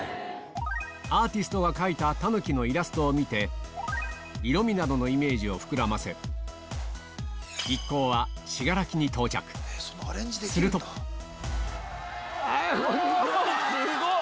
アーティストが描いたたぬきのイラストを見て色みなどのイメージを膨らませ一行はするとうわっ！